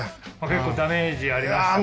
結構ダメージありましたか？